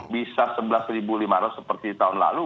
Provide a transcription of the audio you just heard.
bisa sebelas lima ratus seperti tahun lalu